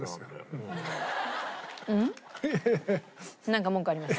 なんか文句あります？